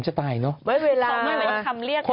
ฉันนึกแล้ว